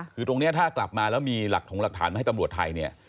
คือตรงนี้ถ้ากลับมาแล้วมีหลักถงหลักฐานมาให้ตำรวจไทยเนี่ย